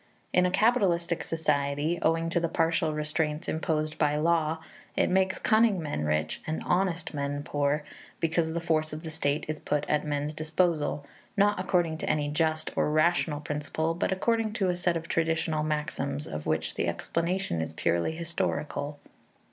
In a capitalistic society, owing to the partial restraints imposed by law, it makes cunning men rich and honest men poor, because the force of the state is put at men's disposal, not according to any just or rational principle, but according to a set of traditional maxims of which the explanation is purely historical.